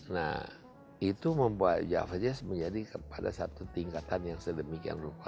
nah itu membuat java jazz menjadi pada satu tingkatan yang sedemikian rupa